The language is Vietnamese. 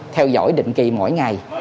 theo dõi định kỳ mỗi ngày